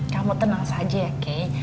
kamu tenang saja ya kay